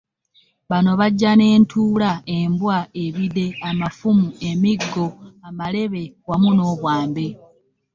Bano bajja n'entuula, embwa, ebide, amafumu, emiggo, amalebe wamu n'obwambe.